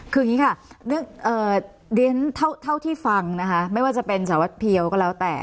คืออย่างนี้ค่ะเรียนเท่าที่ฟังนะคะไม่ว่าจะเป็นสารวัตรเพียวก็แล้วแต่